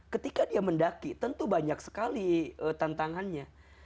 ketika dia mendaki tentu banyak sekali tantangannya